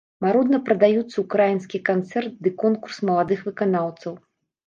Марудна прадаюцца ўкраінскі канцэрт ды конкурс маладых выканаўцаў.